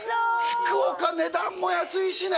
福岡値段も安いしね